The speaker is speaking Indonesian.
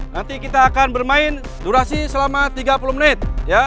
nanti kita akan bermain durasi selama tiga puluh menit